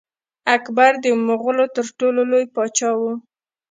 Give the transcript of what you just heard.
اکبر د مغولو تر ټولو لوی پاچا و.